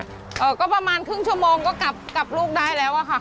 เอ่อก็ประมาณครึ่งชั่วโมงก็กลับลูกได้แล้วอะค่ะ